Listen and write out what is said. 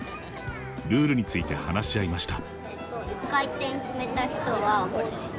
ルールについて話し合いました。